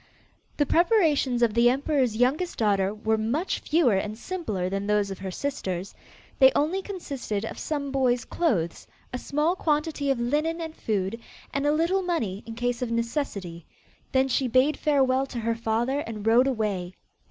The preparations of the emperor's youngest daughter were much fewer and simpler than those of her sisters. They only consisted of some boy's clothes, a small quantity of linen and food, and a little money in case of necessity. Then she bade farewell to her father, and rode away.